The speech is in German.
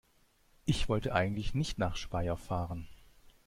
Ich wollte eigentlich nicht nach Speyer fahren